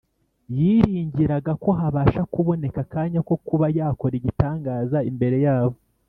Yiringiraga ko habasha kuboneka akanya ko kuba yakora igitangaza imbere yabo.